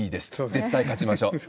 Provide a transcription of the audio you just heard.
絶対勝ちましょう。